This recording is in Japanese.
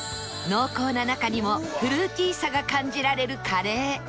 濃厚な中にもフルーティーさが感じられるカレー